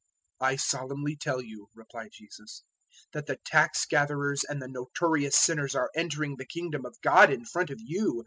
"I solemnly tell you,' replied Jesus, "that the tax gatherers and the notorious sinners are entering the Kingdom of God in front of you.